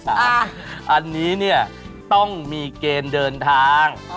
อันนี้ต้องมีเกณฑ์เดินทาง